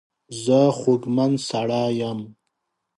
زه خوږمن سړی یم.